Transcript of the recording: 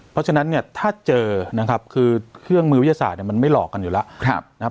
เพราะฉะนั้นถ้าเจอคือเครื่องมือวิทยาศาสตร์มันไม่หลอกกันอยู่แล้ว